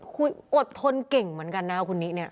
คุยอดทนเก่งเหมือนกันนะคุณนี้เนี่ย